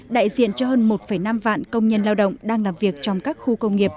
đại diện cho hơn một năm vạn công nhân lao động đang làm việc trong các khu